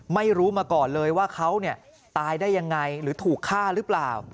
ไม่รู้มาก่อนเลยว่าเขาตายได้ยังไงหรือถูกฆ่าหรือเปล่า